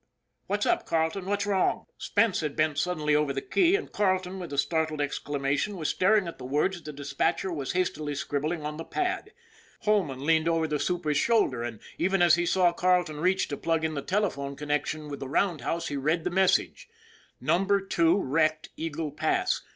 What's up, Carleton? What's wrong?" Spence had bent suddenly over the key, and Car leton, with a startled exclamation, was staring at the words the dispatcher was hastily scribbling on the pad. Holman leaned over the super's shoulder and even as he saw Carleton reach to plug in the telephone connection with the roundhouse, he read the message :" Number Two wrecked Eagle Pass.